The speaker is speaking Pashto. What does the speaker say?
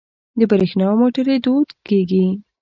د بریښنا موټرې دود کیږي.